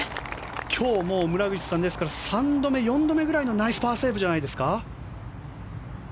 今日、村口さん３度目、４度目くらいのナイスパーセーブじゃないですか。